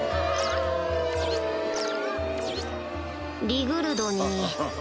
リグルドに